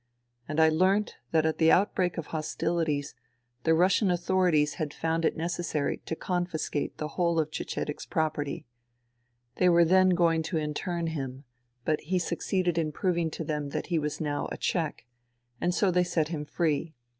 And I learnt that at the outbreak of hostilities the Russian authorities had found it necessary to con fiscate the whole of Cecedek' s property. They were then going to intern him, but he succeeded in proving to them that he was now a Czech ; and so they set him free.